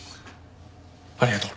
ありがとう。